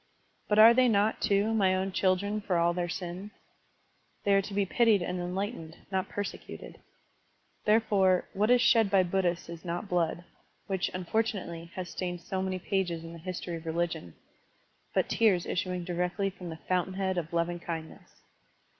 But are they not, too, my own children for all their sins? They are to be pitied and enlightened, not persecuted. Therefore, what is shed by Buddhists is not blood, — ^which, unforttmately, has stained so many pages in the history of religion, — ^but tears issuing directly from the f oimtain head of loving kindness.